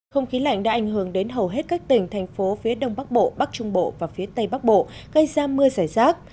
không khí lạnh đã ảnh hưởng đến hầu hết các tỉnh thành phố phía đông bắc bộ bắc trung bộ và phía tây bắc bộ gây ra mưa giải rác